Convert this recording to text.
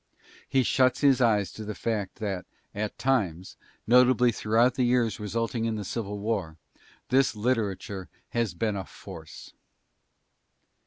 He shuts his eyes to the fact that at times, notably throughout the years resulting in the Civil War, this literature has been a "force."